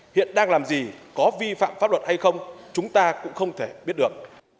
hiện đang làm gì có vi phạm pháp luật hay không chúng ta cũng không thể biết được